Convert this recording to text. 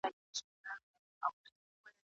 د پيغمبر خبره تل رښتيا ده.